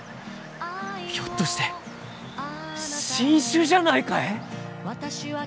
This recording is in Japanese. ひょっとして新種じゃないかえ？